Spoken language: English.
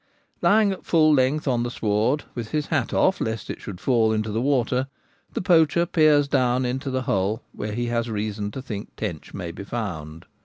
Lying at full length on the sward, with his hat off lest it should fall into the water, the poacher peers down into the hole where he has reason to think tench may be found.